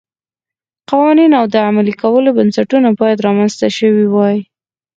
قوانین او د عملي کولو بنسټونه باید رامنځته شوي وای